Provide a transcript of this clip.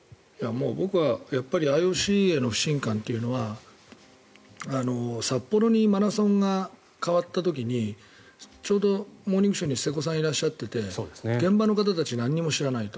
もう僕はやっぱりＩＯＣへの不信感というのは札幌にマラソンが変わった時にちょうど「モーニングショー」に瀬古さんがいらっしゃってて現場の方たちなんにも知らないと。